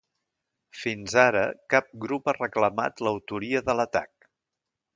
Fins ara cap grup ha reclamat l’autoria de l’atac.